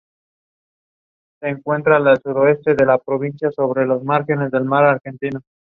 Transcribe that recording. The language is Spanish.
Fue el representante más destacado de su generación de escritores.